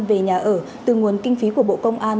về nhà ở từ nguồn kinh phí của bộ công an